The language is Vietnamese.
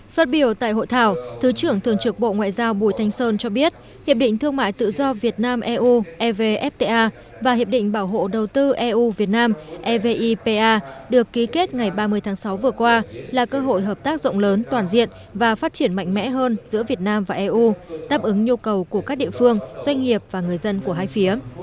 phát biểu tại hội thảo thứ trưởng thường trực bộ ngoại giao bùi thanh sơn cho biết hiệp định thương mại tự do việt nam eu evfta và hiệp định bảo hộ đầu tư eu việt nam evipa được ký kết ngày ba mươi tháng sáu vừa qua là cơ hội hợp tác rộng lớn toàn diện và phát triển mạnh mẽ hơn giữa việt nam và eu đáp ứng nhu cầu của các địa phương doanh nghiệp và người dân của hai phía